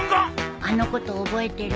あのこと覚えてる？